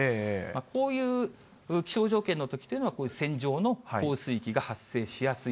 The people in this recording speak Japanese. こういう気象条件のときというのは、こういう線状の降水域が発生しやすい。